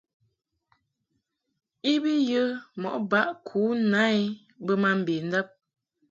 I bi yə mɔʼ baʼ ku na I bə ma mbendab.